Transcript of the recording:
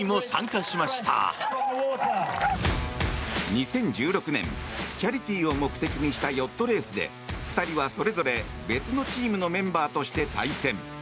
２０１６年、チャリティーを目的にしたヨットレースで２人はそれぞれ別のチームのメンバーとして対戦。